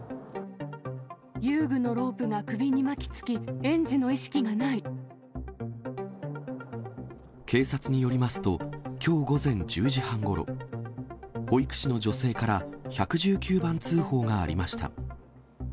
遊具のロープが首に巻きつき、警察によりますと、きょう午前１０時半ごろ、保育士の女性から１１９番通報がありました。